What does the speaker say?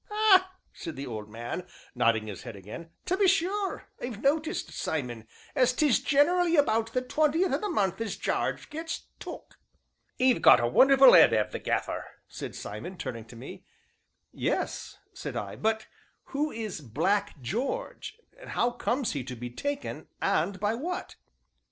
"Ah!" said the old man, nodding his head again, "to be sure, I've noticed, Simon, as 'tis generally about the twentieth o' the month as Jarge gets 'took.'" "'E 've got a wonderful 'ead, 'ave the Gaffer!" said Simon, turning to me. "Yes," said I, "but who is Black George; how comes he to be 'taken,' and by what?"